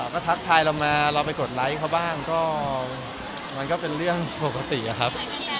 ก็ทักทายเรามาเราไปกดไลค์เขาบ้างก็มันก็เป็นเรื่องปกติอะครับ